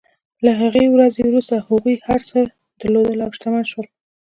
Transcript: له هغې ورځې وروسته هغوی هر څه درلودل او شتمن شول.